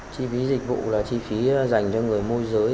chi phí dịch vụ là chi phí dành cho người môi giới